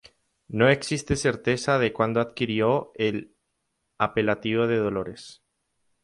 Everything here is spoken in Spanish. No existe certeza de cuando adquirió el apelativo de Dolores.